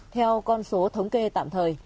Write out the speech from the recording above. theo con số thống kê tạm thời